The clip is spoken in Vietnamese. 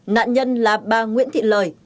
nạn nhân là bà nguyễn thị lời